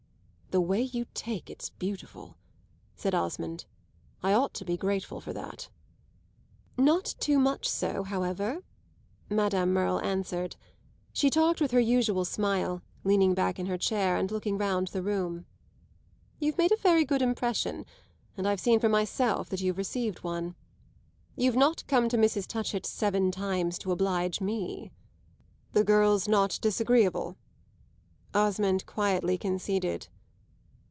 "The way you take it's beautiful," said Osmond. "I ought to be grateful for that." "Not too much so, however," Madame Merle answered. She talked with her usual smile, leaning back in her chair and looking round the room. "You've made a very good impression, and I've seen for myself that you've received one. You've not come to Mrs. Touchett's seven times to oblige me." "The girl's not disagreeable," Osmond quietly conceded.